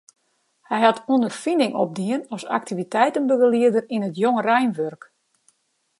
Hy hat ûnderfining opdien as aktiviteitebegelieder yn it jongereinwurk.